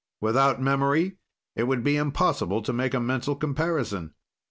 "Without memory it would be impossible to make a mental comparison.